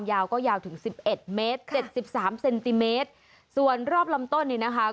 ยาวถึง๑๑เมตร๗๓เซนติเมตรส่วนรอบลำต้นนี่นะคะ